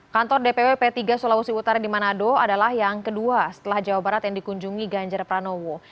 kantor dpw p tiga sulawesi utara di manado adalah yang kedua setelah jawa barat yang dikunjungi ganjar pranowo